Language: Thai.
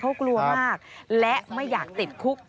เขากลัวมากและไม่อยากติดคุก